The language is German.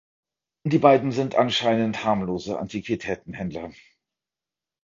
Die beiden sind anscheinend harmlose Antiquitätenhändler.